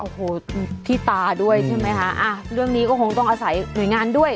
โอ้โหที่ตาด้วยใช่ไหมคะอ่ะเรื่องนี้ก็คงต้องอาศัยหน่วยงานด้วย